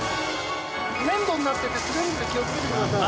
粘土になっていて滑るので気をつけてください。